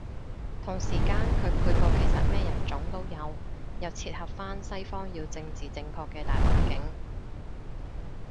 同時間佢配角其實咩人種都有，又切合返西方要政治正確嘅大環境